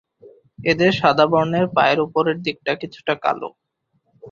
এদের সাদা বর্ণের পায়ের উপরের দিকটা কিছুটা কালো।